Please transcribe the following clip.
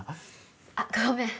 あっごめん。